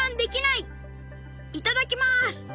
いただきます！